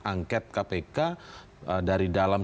angket kpk dari dalam